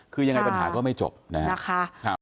คือยังไงปัญหาก็ไม่จบนะครับ